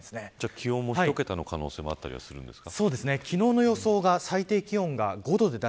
気温が１桁の可能性もあったりするんですか。